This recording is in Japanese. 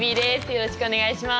よろしくお願いします。